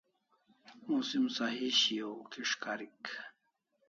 Musim sahi shiau kis' karik